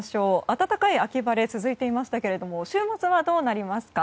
暖かい秋晴れ、続いていましたが週末は、どうなりますか？